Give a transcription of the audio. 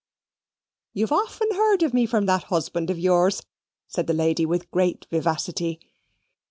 "You've often heard of me from that husband of yours," said the lady, with great vivacity.